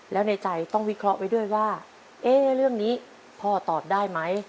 แล้วในใจต้องวิเคราะห์ไว้ด้วยว่าเอ๊ะเรื่องนี้พ่อตอบได้ไหม